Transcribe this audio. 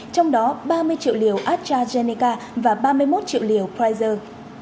trong đó ba mươi triệu liều astrazeneca và ba mươi một triệu liều pfizer